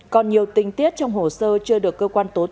còn nhiều tình tiết trong hồ sơ chưa được cơ quan tố tụng